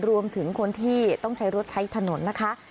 รวมถึงคนที่ต้องใช้รถใช้ถนนนะคะ